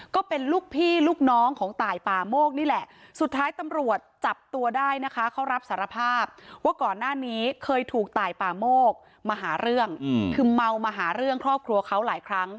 เคยถูกต่ายป่าโมกมาหาเรื่องอืมคือเมามาหาเรื่องครอบครัวเขาหลายครั้ง